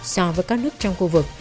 so với các nước trong khu vực